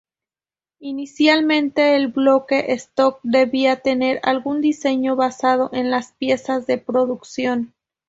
Inicialmente, el "bloque-stock" debía tener algún diseño basado en las piezas de producción.